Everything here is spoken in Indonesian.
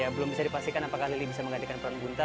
belum bisa dipastikan apakah lili bisa menggantikan peran bunta